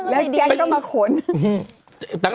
่แล้วเจ๊ต้องมาขน